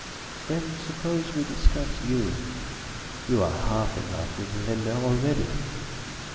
"Then suppose we discuss you. You are half in love with Linda already."